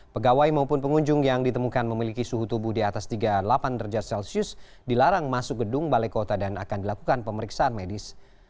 pegawai maupun pengunjung yang ditemukan memiliki suhu tubuh di atas tiga puluh delapan derajat celcius dilarang masuk gedung balai kota dan akan dilakukan pemeriksaan medis